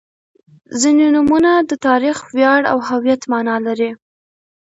• ځینې نومونه د تاریخ، ویاړ او هویت معنا لري.